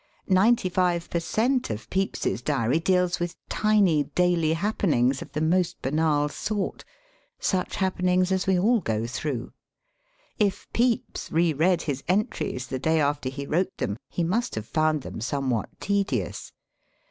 Ninety five per cent, of Pepifs'i Diary deals with tiny daily hap THE DIARY HABIT *6 penings of the most banal sort — such happenings as we all go through. If Pepys re read his entries the day after he wrote them, he must have found them somewhat tedious.